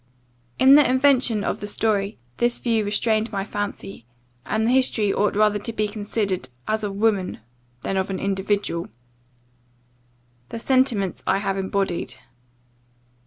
In the invention of the story, this view restrained my fancy; and the history ought rather to be considered, as of woman, than of an individual. The sentiments I have embodied.